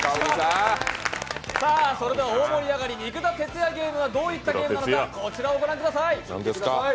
それでは大盛り上がり、肉田鉄矢ゲームはどういったものなのか、こちらご覧ください。